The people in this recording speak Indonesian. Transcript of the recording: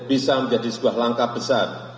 bisa menjadi sebuah langkah besar